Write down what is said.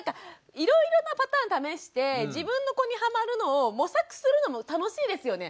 いろいろなパターンを試して自分の子にハマるのを模索するのも楽しいですよね。